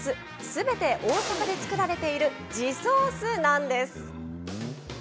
すべて大阪で作られている地ソースなんです。